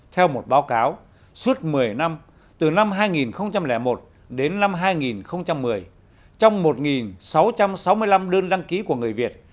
theo một báo cáo suốt một mươi năm từ năm hai nghìn một đến năm hai nghìn một mươi trong một sáu trăm sáu mươi năm đơn đăng ký của người việt